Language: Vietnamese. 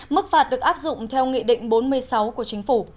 mức phạt được áp dụng theo nghị định bốn mươi sáu của chính phủ